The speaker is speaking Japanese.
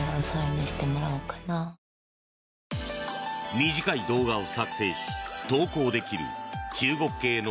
短い動画を作成し投稿できる中国系の